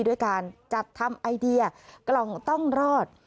ด้วยการจัดทำไอเดียกล่องต้องรอด